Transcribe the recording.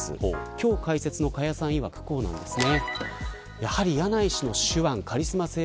今日解説の加谷さんいわくこうなんですね。